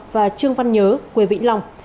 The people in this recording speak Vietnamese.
và trương văn nhớ quê vĩnh long